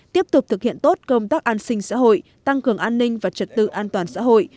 tiếp tục thực hiện tốt công tác an sinh xã hội tăng cường an ninh và trật tự an toàn xã hội